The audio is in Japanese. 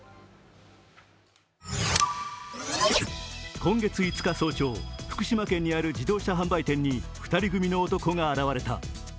今月５日早朝、福島県にある自動車販売店に２人組の男が現れた。